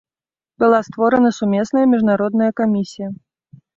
Была створана сумесная міжнародная камісія.